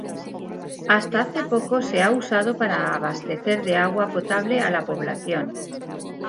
Hasta hace poco, se ha usado para abastecer de agua potable a la población.